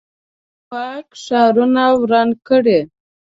توپک ښارونه وران کړي.